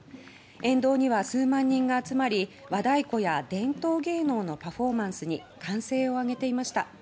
沿道には数万人が集まり和太鼓や伝統芸能のパフォーマンスに歓声をあげていました。